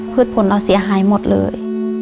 พืชฝนเราเสียหายหมดเลย